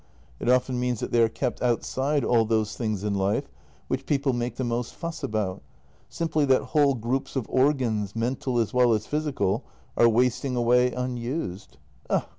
It often means that they are kept outside all those things in life which people make the most fuss about — simply that whole groups of organs, mental as well as physical, are wasting away unused.